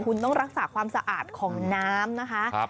คุณต้องรักษาความสะอาดของน้ำนะคะ